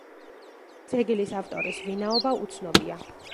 ძეგლის ავტორის ვინაობა უცნობია.